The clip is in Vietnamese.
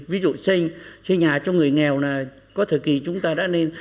ví dụ xây nhà cho người nghèo là có thời kỳ chúng ta đã nên